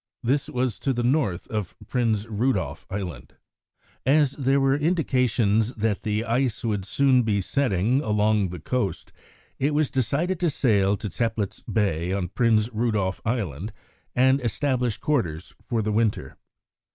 This was to the north of Prinz Rudolf Island. As there were indications that the ice would soon be setting along the coast, it was decided to sail to Teplitz Bay on Prinz Rudolf Island and establish quarters for the winter.